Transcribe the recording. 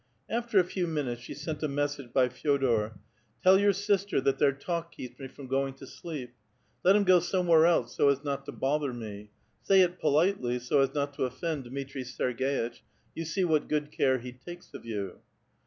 After a few minutes she sent a message by Fe6dor :" Tell your sister that their talk keeps me from going to sleep ; let 'em go somewhere else so as not to l)other me. 8 ay it politely, so as not to offend Dmitri Serg^itcli ; 3'on see what good care lie takes of you."